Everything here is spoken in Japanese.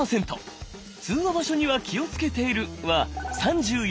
「通話場所には気をつけている」は３４％。